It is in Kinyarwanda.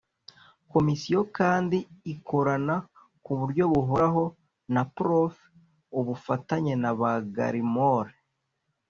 komisiyo kandi ikorana ku buryo buhoraho na prof ubufatanye na b a gallimore